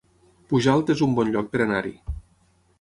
Pujalt es un bon lloc per anar-hi